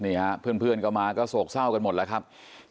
นี่ฮะเพื่อนก็มาก็โศกเศร้ากันหมดแล้วครับ